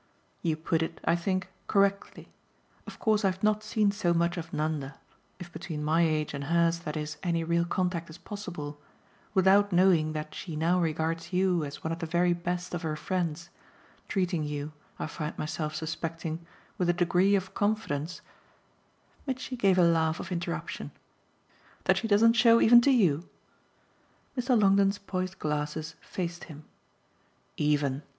"You put it, I think, correctly. Of course I've not seen so much of Nanda if between my age and hers, that is, any real contact is possible without knowing that she now regards you as one of the very best of her friends, treating you, I find myself suspecting, with a degree of confidence " Mitchy gave a laugh of interruption. "That she doesn't show even to you?" Mr. Longdon's poised glasses faced him. "Even!